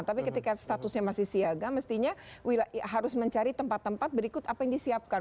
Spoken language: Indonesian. tapi ketika statusnya masih siaga mestinya harus mencari tempat tempat berikut apa yang disiapkan